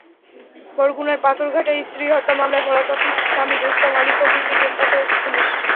বরগুনার পাথরঘাটায় স্ত্রী হত্যা মামলায় পলাতক স্বামী রুস্তম আলী ফকিরকে গ্রেপ্তার করেছে পুলিশ।